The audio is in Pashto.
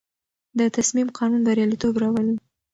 د تصمیم قانون بریالیتوب راولي.